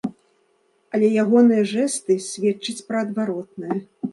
Але ягоныя жэсты сведчаць пра адваротнае.